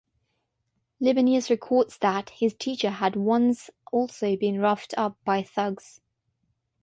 Libanius records that his teacher had once also been roughed up by thugs.